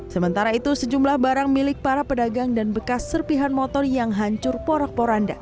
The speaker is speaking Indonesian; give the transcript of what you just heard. sementara itu sejumlah barang milik para pedagang dan bekas serpihan motor yang hancur porak poranda